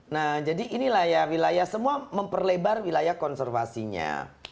nah jadi inilah ya wilayah semua memperlebar wilayah konservasinya